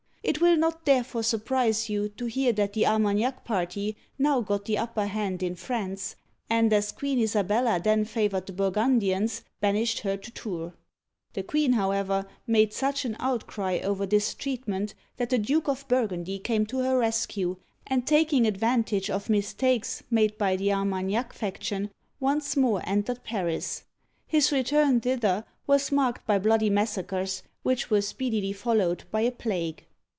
It will not therefore surprise you to hear that the Armagnac party now got the upper hand in France, and, as Queen Isabella then favored the Burgun dians, banished her to Tours. The queen, however, made such an outcry over this treatment, that the Duke of Burgundy came to her rescue, and, taking advantage of mistakes made by the Armagnac faction, once more entered Paris. His return thither was marked by bloody massacres, which were speedily followed by a plague.